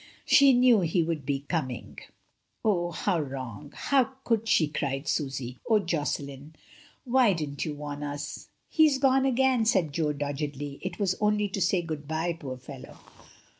... She knew he would be com ing/' "Oh, how wrong! how could she!" cried Susy. "Oh, Josselin, why didn't you warn us?" "He is gone again," said Jo doggedly; "it was only to say good bye, poor fellow."